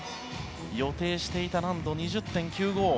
予定していた難度、２０．９５。